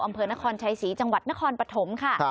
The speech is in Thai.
อำเภอนครชัยศรีจังหวัดนครปฐมค่ะ